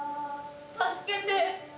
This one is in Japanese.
助けて。